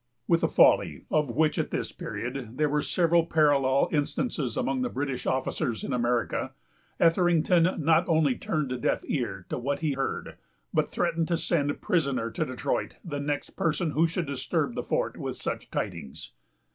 With a folly, of which, at this period, there were several parallel instances among the British officers in America, Etherington not only turned a deaf ear to what he heard, but threatened to send prisoner to Detroit the next person who should disturb the fort with such tidings.